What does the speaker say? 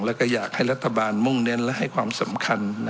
แล้วก็อยากให้รัฐบาลมุ่งเน้นและให้ความสำคัญ